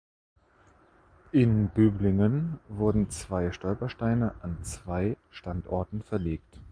In Böblingen wurden zwei Stolpersteine an zwei Standorten verlegt.